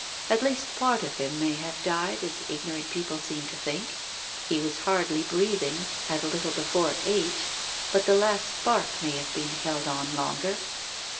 At least, part of him may have died, as ignorant people seem to think. He was hardly breath ing at a little before eight, but the last spark may have held on longer."